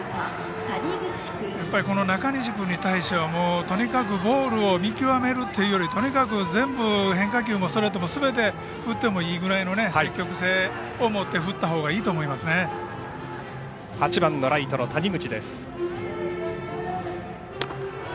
この中西君に対してはとにかくボールを見極めるというよりもとにかく全部振ってもいいくらいの積極性を持っていったほうが８番のライトの谷口です。